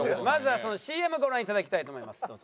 まずはそのＣＭご覧頂きたいと思います。